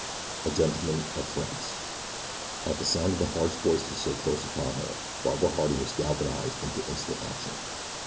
A GENTLEMAN OF FRANCE AT THE sound of the harsh voices so close upon her Barbara Harding was galvanized into instant action.